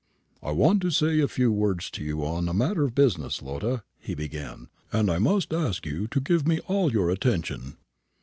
"I want to say a few words to you on a matter of business, Lotta," he began, "and I must ask you to give me all your attention."